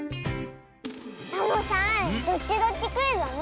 サボさん「どっちどっちクイズ」おもしろいね。